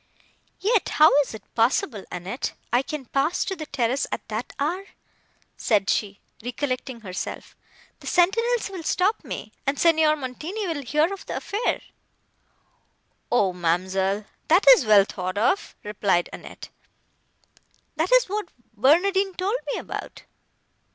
"Yet how is it possible, Annette, I can pass to the terrace at that hour?" said she, recollecting herself, "the sentinels will stop me, and Signor Montoni will hear of the affair." "O ma'amselle! that is well thought of," replied Annette. "That is what Barnardine told me about.